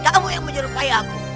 kamu yang menyerupai aku